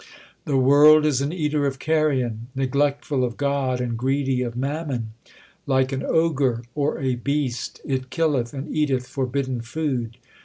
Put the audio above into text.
The world is an eater of carrion, neglectful of God and greedy of mammon. Like an ogre or a beast it killeth and eateth forbidden food.